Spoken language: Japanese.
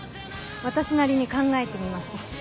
私なりに考えてみました。